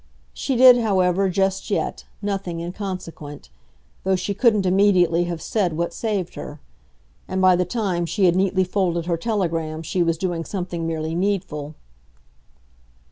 She did, however, just yet, nothing inconsequent though she couldn't immediately have said what saved her; and by the time she had neatly folded her telegram she was doing something merely needful.